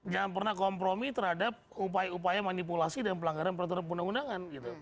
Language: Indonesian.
jangan pernah kompromi terhadap upaya upaya manipulasi dan pelanggaran peraturan undang undangan